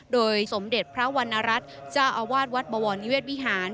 โดยสมเด็จพระวรรณรัฐเจ้าอาวาสวัดบวรนิเวศวิหาร